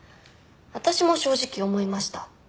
私も正直思いました。